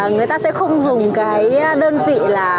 người ta sẽ không dùng cái đơn vị là